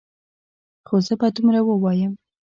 خو زه به دومره ووایم.